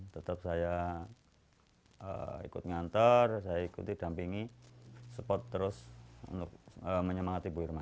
tetap saya ikut nganter saya ikuti dampingi support terus untuk menyemangati bu irma